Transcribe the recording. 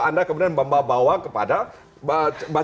anda kemudian membawa kepada baca preska